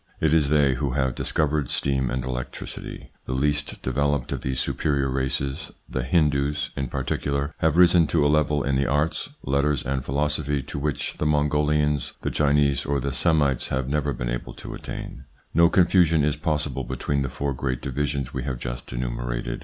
It is they who have discovered steam and electricity. The least developed of these superior races, the Hindoos in particular, have risen to a level in the arts, letters, and philosophy to which the Mongolians, the Chinese, or the Semites have never been able to attain. No confusion is possible between the four great divisions we have just enumerated.